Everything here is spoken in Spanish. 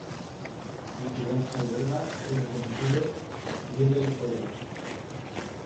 La ciudad alberga el reconocido Grinnell College.